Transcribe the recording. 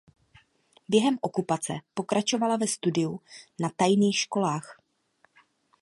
Během okupace pokračovala ve studiu na tajných školách.